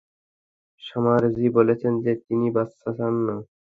Summer ji বলেছেন যে তিনি বাচ্চা চান না।